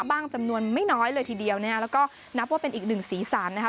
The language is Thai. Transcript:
จำนวนไม่น้อยเลยทีเดียวนะฮะแล้วก็นับว่าเป็นอีกหนึ่งสีสันนะคะ